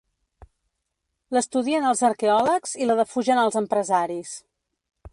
L'estudien els arqueòlegs i la defugen els empresaris.